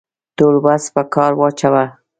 ټول وس په کار واچاوه.